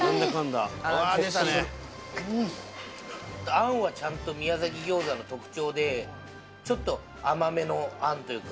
餡はちゃんと宮崎餃子の特徴でちょっと甘めの餡というか。